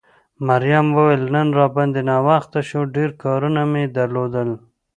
مريم وویل نن را باندې ناوخته شو، ډېر کارونه مې درلودل.